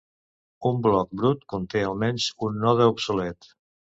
Un bloc "brut" conté al menys un node "obsolet".